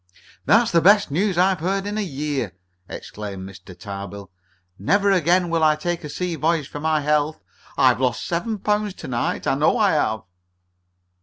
"That's the best news I've heard in a year!" exclaimed Mr. Tarbill. "Never again will I take a sea voyage for my health. I've lost seven pounds to night, I know I have."